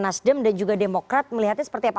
nasdem dan juga demokrat melihatnya seperti apa